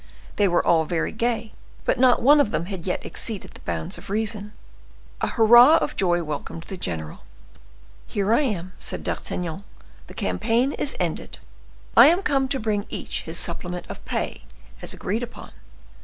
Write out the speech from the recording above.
They were all very gay, but not one of them had yet exceeded the bounds of reason. A hurrah of joy welcomed the general. "Here I am," said D'Artagnan, "the campaign is ended. I am come to bring each his supplement of pay, as agreed upon."